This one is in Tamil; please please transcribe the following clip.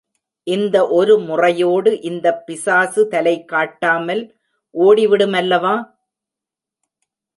இந்த ஒரு முறையோடு இந்தப் பிசாசு தலைகாட்டாமல் ஓடிவிடுமல்லவா?